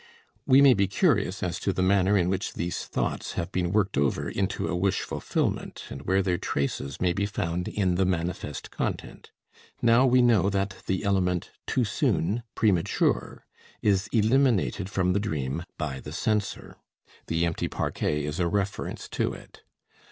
We may be curious as to the manner in which these thoughts have been worked over into a wish fulfillment, and where their traces may be found in the manifest content. Now we know that the element "too soon, premature" is eliminated from the dream by the censor. The empty parquet is a reference to it.